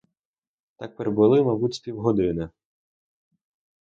Так перебули, мабуть, з півгодини.